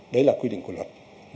đấy là quy định của luật